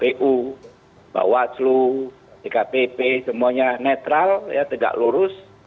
nanti juga bahkan kpu pak wadlu jkpp semuanya netral ya tegak lurus